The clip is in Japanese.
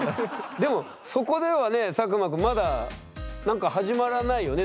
でもそこではね作間君まだなんか始まらないよね？